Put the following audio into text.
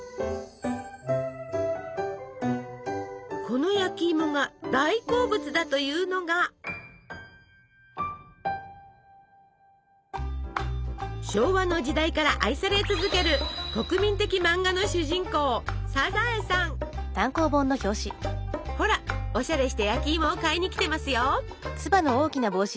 この焼きいもが大好物だというのが昭和の時代から愛され続ける国民的漫画の主人公ほらおしゃれして焼きいもを買いに来てますよ！